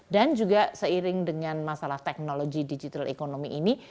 dan juga seiring dengan masalah teknologi digital economy ini